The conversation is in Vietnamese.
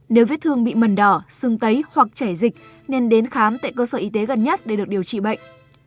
nếu vết thương bị mần đỏ xưng tấy hoặc chảy dịch nên đến khám tại cơ sở y tế gần nhất để được điều trị bệnh